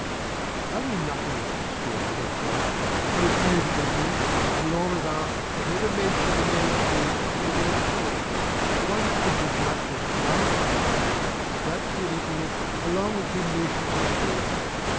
I knew nothing of the history of Kerfol I was new to Brittany, and Lanrivain had never mentioned the name to me till the day before but one couldn't as much as glance at that pile without feeling in it a long accumulation of history.